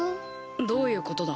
どういうことだ？